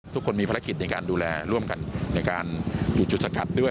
ทุกคนมีภารกิจในการดูแลร่วมกันในการอยู่จุดสกัดด้วย